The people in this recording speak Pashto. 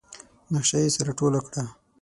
نخشه يې سره ټوله کړه.